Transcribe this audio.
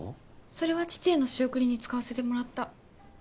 それは父への仕送りに使わせてもらった。